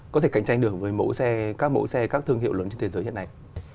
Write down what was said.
có thể cạnh tranh được với mẫu xe các mẫu xe các thương hiệu lớn trên thế giới hiện nay